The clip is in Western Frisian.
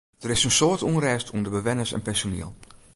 Der is in soad ûnrêst ûnder bewenners en personiel.